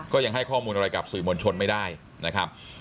ยังให้ข้อมูลอะไรกับสื่อมวลชนไม่ได้นะครับ